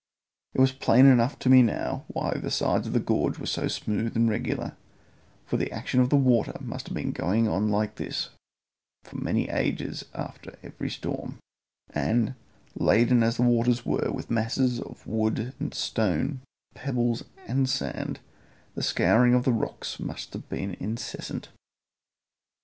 It was plain enough to me now why the sides of the gorge were so smooth and regular, for the action of the water must have been going on like this for many ages after every storm, and, laden as the waters were with masses of wood and stone, with pebbles and sand, the scouring of the rocks must have been incessant.